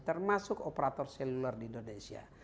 termasuk operator seluler di indonesia